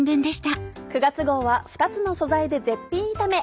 ９月号は「２つの素材で絶品炒め」。